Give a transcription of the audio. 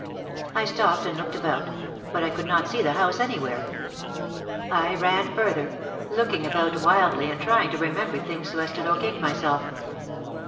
I stopped and looked about, but I could not see the house anywhere. I ran further, looking about wildly and try ing to remember things so as to locate myself.